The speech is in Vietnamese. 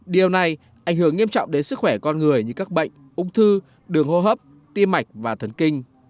điều này ảnh hưởng nghiêm trọng đến sức khỏe con người như các bệnh ung thư đường hô hấp tim mạch và thấn kinh